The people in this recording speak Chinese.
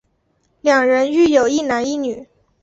两人育有一男一女。